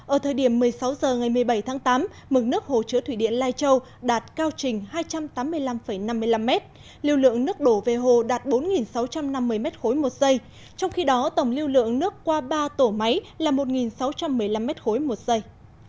ở thời điểm một mươi sáu h ngày một mươi bảy tháng tám mực nước hồ chứa thủy điện lai châu đạt cao trình hai trăm tám mươi năm năm mươi năm m lưu lượng nước đổ về hồ đạt bốn sáu trăm năm mươi m ba một giây trong khi đó tổng lưu lượng nước qua ba tổ máy là một sáu trăm một mươi năm m ba một giây